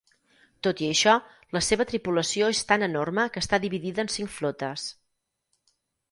Tot i això, la seva tripulació és tan enorme que està dividida en cinc flotes.